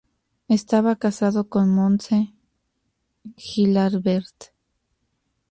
Estaba casado con Montse Gilabert.